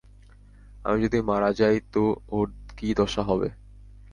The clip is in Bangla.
আমি যদি মারা যাই তো ওর কী দশা হবে।